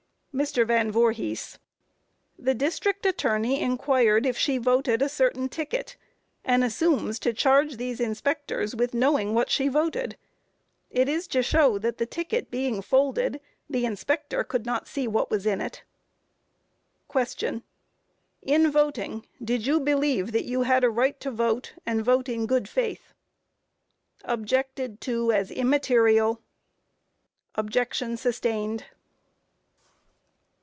MR. VAN VOORHIS: The District Attorney inquired if she voted a certain ticket, and assumes to charge these inspectors with knowing what she voted. It is to show that the ticket being folded, the inspector could not see what was in it. Q. In voting, did you believe that you had a right to vote, and vote in good faith? Objected to as immaterial. Objection sustained.